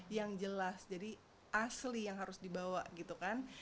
yang jelas jadi asli yang harus dibawa gitu kan